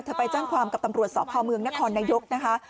ไปแจ้งความกับตำรวจสพเมืองนครนายกนะคะ